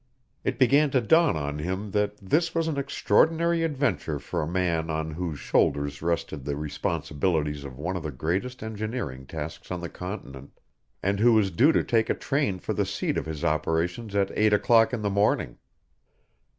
It began to dawn on him that this was an extraordinary adventure for a man on whose shoulders rested the responsibilities of one of the greatest engineering tasks on the continent, and who was due to take a train for the seat of his operations at eight o'clock in the morning.